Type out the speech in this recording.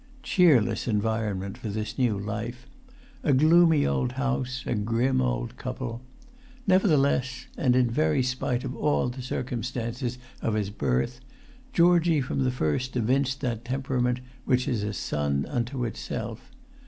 Cheerless environment for this new life—a gloomy old house—a grim old couple. Nevertheless, and in very spite of all the circumstances of his birth, Georgie from the first evinced that temperament which is a sun unto itself.